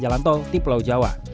jalan tol di pulau jawa